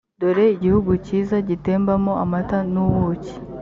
dore igihugu cyiza gitembamo amata n’ ubuki